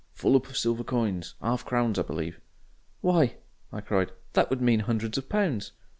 "Full up of silver coins 'arf crowns, I believe." "Why!" I cried, "that would mean hundreds of pounds."